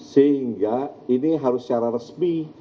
sehingga ini harus secara resmi